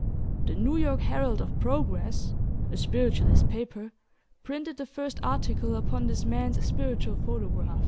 The New York Herald of Progress, a spiritualist paper, printed the first article upon this man's spiritual photograph.